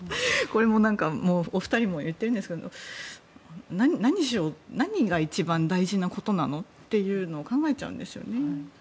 これもお二人も言っているんですが何が一番大事なことなの？っていうのを考えちゃうんですよね。